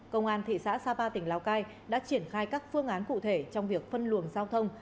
công an thị xã sapa tỉnh lào cai đã triển khai các phương án cụ thể trong việc phân luồng giao thông